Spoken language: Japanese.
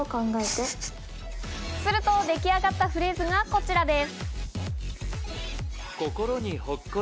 すると出来上がったフレーズがこちらです。